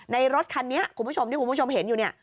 รถคันนี้คุณผู้ชมที่คุณผู้ชมเห็นอยู่เนี่ย